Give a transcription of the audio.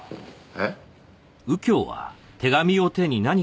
えっ？